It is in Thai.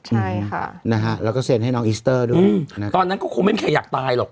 ใช่ค่ะนะฮะแล้วก็เซ็นให้น้องอิสเตอร์ด้วยตอนนั้นก็คงไม่มีใครอยากตายหรอก